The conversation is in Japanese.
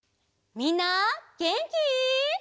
みんなげんき？